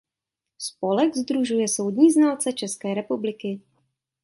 Spolek sdružuje soudní znalce České republiky.